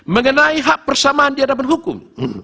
mengenai hak persamaan di hadapan hukum